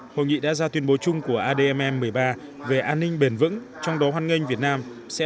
hội nghị đã ra tuyên bố chung của admm một mươi ba về an ninh bền vững trong đó hoan nghênh việt nam sẽ